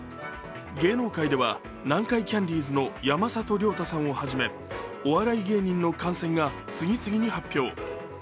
芸能界では南海キャンディーズの山里亮太を初め、お笑い芸人の感染が次々に発表。